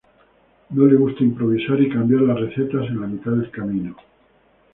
No le gusta improvisar y cambiar las recetas en la mitad del camino.